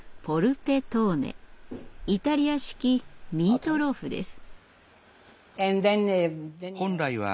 イタリア式ミートローフです。